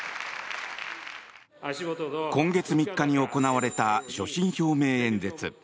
今月３日に行われた所信表明演説。